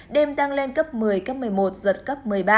đêm tăng lên cấp một mươi cấp một mươi một giật cấp một mươi ba